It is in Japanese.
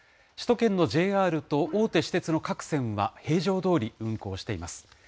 首都圏のＪＲと大手私鉄の各線は、平常どおり運行しています。